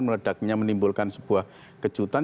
meledaknya menimbulkan sebuah kejutan